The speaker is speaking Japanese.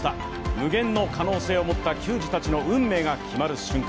無限の可能性を持った球児たちの運命が決まる瞬間。